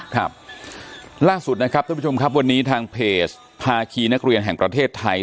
ครับล่าสุดนะครับท่านผู้ชมครับวันนี้ทางเพจภาคีนักเรียนแห่งประเทศไทย